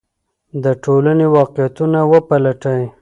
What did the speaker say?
د ټولنې واقعیتونه وپلټئ.